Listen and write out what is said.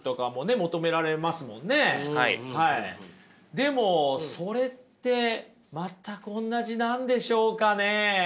でもそれって全くおんなじなんでしょうかね？